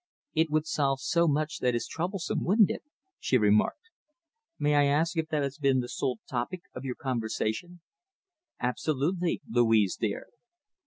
"It would solve so much that is troublesome, wouldn't it?" she remarked. "May I ask if that has been the sole topic of your conversation?" "Absolutely! Louise! Dear!"